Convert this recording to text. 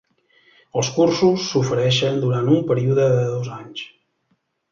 Els cursos s'ofereixen durant un període de dos anys.